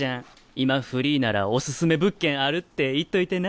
今フリーならおすすめ物件あるって言っといてな。